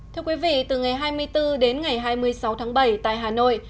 thưa quý vị từ ngày hai mươi bốn đến ngày hai mươi sáu tháng bảy tại hà nội